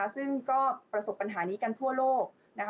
ซึ่งก็ประสบปัญหานี้กันทั่วโลกนะคะ